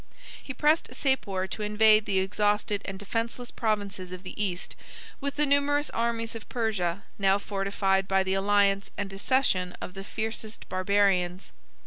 He pressed Sapor to invade the exhausted and defenceless provinces of the East, with the numerous armies of Persia, now fortified by the alliance and accession of the fiercest Barbarians.